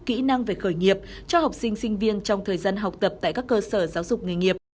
kỹ năng về khởi nghiệp cho học sinh sinh viên trong thời gian học tập tại các cơ sở giáo dục nghề nghiệp